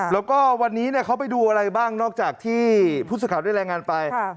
แล้วก็วันนี้เนี่ยเขาไปดูอะไรบ้างนอกจากที่พุทธสถาปน์ได้แรงงานไปค่ะ